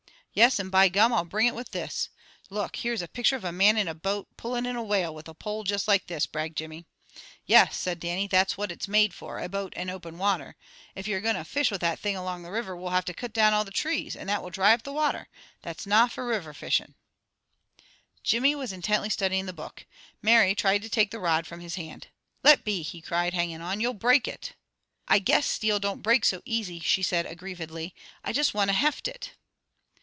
"Yes, and by gum, I'll bring it with this! Look, here is a picture of a man in a boat, pullin' in a whale with a pole just like this," bragged Jimmy. "Yes," said Dannie. "That's what it's made for. A boat and open water. If ye are going to fish wi' that thing along the river we'll have to cut doon all the trees, and that will dry up the water. That's na for river fishing." Jimmy was intently studying the book. Mary tried to take the rod from his hand. "Let be!" he cried, hanging on. "You'll break it!" "I guess steel don't break so easy," she said aggrievedly. "I just wanted to 'heft' it."